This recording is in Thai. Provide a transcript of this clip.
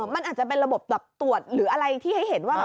มันอาจจะเป็นระบบแบบตรวจหรืออะไรที่ให้เห็นว่า